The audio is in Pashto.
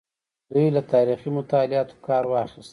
دوی له تاریخي مطالعاتو کار واخیست.